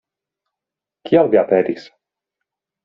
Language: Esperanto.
Kial vi aperis?